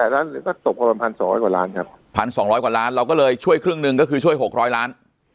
แต่ก็ตกประมาณ๑๒๐๐กว่าล้านครับ๑๒๐๐กว่าล้านเราก็เลยช่วยครึ่งหนึ่งก็คือช่วย๖๐๐ล้าน